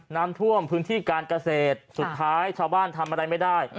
น้ำท่วมพื้นที่การเกษตรสุดท้ายชาวบ้านทำอะไรไม่ได้